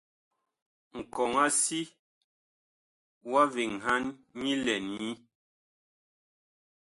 Nkɔŋ-a-si wa veŋhan nyi lɛn nyi.